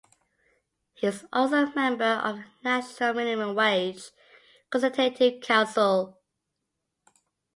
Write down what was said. He is also member of the National Minimum Wage Consultative Council.